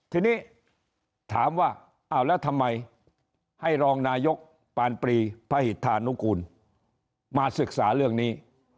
ทีนี้ถามว่าอ้าวแล้วทำไมให้รองนายกปานปรีพหิตธานุกูลมาศึกษาเรื่องนี้